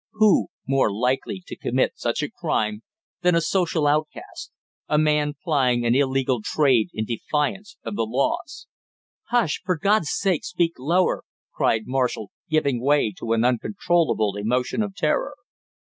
Who more likely to commit such a crime than a social outcast a man plying an illegal trade in defiance of the laws?" "Hush! For God's sake speak lower!" cried Marshall, giving way to an uncontrollable emotion of terror.